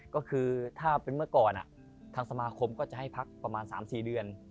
ก็คือถ้าเป็นเมื่อก่อนทางสมาคมก็จะให้พักประมาณ๓๔เดือน